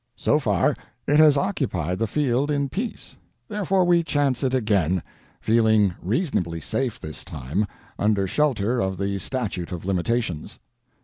So far it has occupied the field in peace; therefore we chance it again, feeling reasonably safe, this time, under shelter of the statute of limitations.